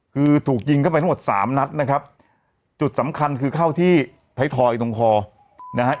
คือถูกยิงเข้าไปทั้งหมดสามนัดนะครับจุดสำคัญคือเข้าที่ไทยทอยตรงคอนะฮะ